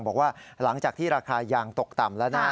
บอกว่าหลังจากที่ราคายางตกต่ำแล้วนะ